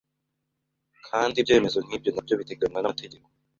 kandi ibyemezo nk’ibyo na byo biteganywa n’amategeko”.